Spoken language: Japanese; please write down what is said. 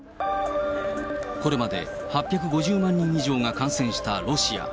これまで８５０万人以上が感染したロシア。